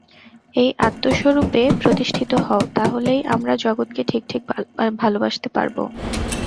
এই আত্মস্বরূপে প্রতিষ্ঠিত হও, তা হলেই আমরা জগৎকে ঠিক ঠিক ভালবাসতে পারব।